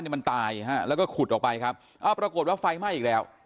มันตายฮะแล้วก็ขุดออกไปครับอ้าวปรากฏว่าไฟไหม้อีกแล้ว